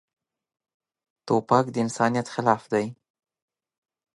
توپک د انسانیت خلاف دی.